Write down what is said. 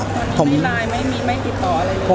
ปุ่นหนึ่งมีไลน์ไม่มีไม่ติดต่ออะไรหรือ